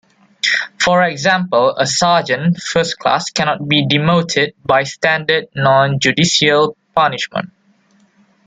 For example, a sergeant first class cannot be demoted by standard non-judicial punishment.